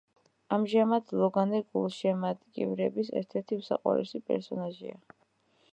ამჟამად ლოგანი გულშემატკივრების ერთ-ერთი უსაყვარლესი პერსონაჟია.